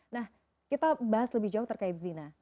nah kita bahas lebih jauh terkait zina